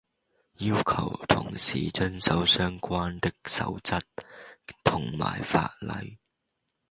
要求同事遵守相關的守則同埋法例